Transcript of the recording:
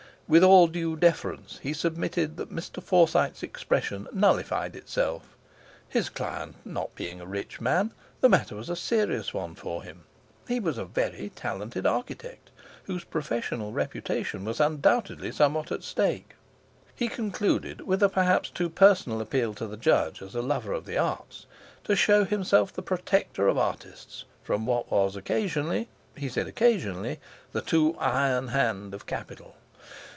With all due deference he submitted that Mr. Forsyte's expression nullified itself. His client not being a rich man, the matter was a serious one for him; he was a very talented architect, whose professional reputation was undoubtedly somewhat at stake. He concluded with a perhaps too personal appeal to the Judge, as a lover of the arts, to show himself the protector of artists, from what was occasionally—he said occasionally—the too iron hand of capital.